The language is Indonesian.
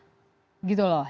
masalah gitu loh